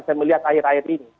saya melihat akhir akhir ini